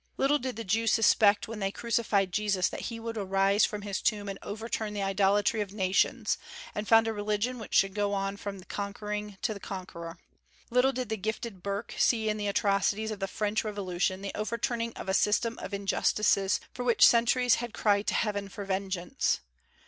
Little did the Jews suspect when they crucified Jesus that he would arise from his tomb and overturn the idolatries of nations, and found a religion which should go on from conquering to conquer. Little did the gifted Burke see in the atrocities of the French Revolution the overturning of a system of injustices which for centuries had cried to Heaven for vengeance.